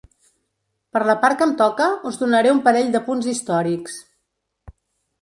Per la part que em toca, os donaré un parell d’apunts històrics.